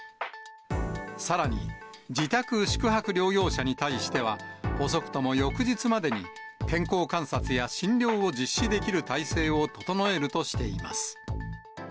さらに、自宅・宿泊療養者に対しては、遅くとも翌日までに、健康観察や診療を実施できる体制を整えるとしています。